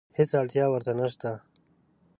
هېڅ اړتیا ورته نشته.